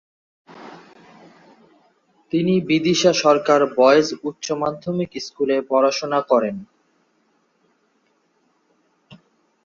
তিনি বিদিশা সরকার বয়েজ উচ্চ মাধ্যমিক স্কুলে পড়াশোনা করেন।।